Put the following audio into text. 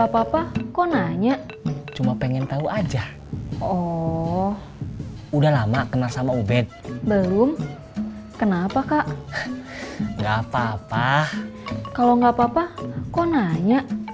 tekan satu untuk meninggalkan pesan